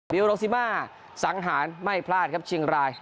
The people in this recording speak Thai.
วิวโรซิมาสังหารไม่พลาดครับเชียงราย